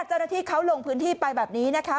เจ้าหน้าที่เขาลงพื้นที่ไปแบบนี้นะคะ